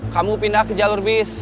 kamu pindah ke jalur bis